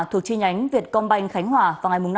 thuộc chi nhánh việt công banh khánh hòa vào ngày năm